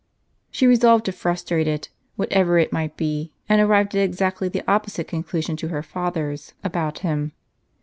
She resolved to frustrate it, wdiatever it might be, and arrived at exactly the oi^posite conclusion to her father's about him.